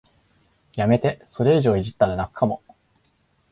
やめて、それ以上いじったら泣くかも